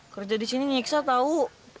kerja di sini nyiksa tahu